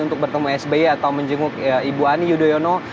untuk bertemu sby atau menjenguk ibu ani yudhoyono